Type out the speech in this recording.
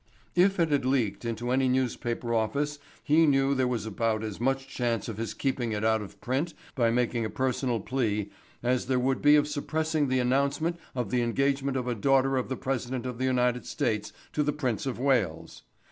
If it had "leaked" into any newspaper office he knew there was about as much chance of his keeping it out of print by making a personal plea, as there would be of suppressing the announcement of the engagement of a daughter of the president of the United States to the Prince of Wales.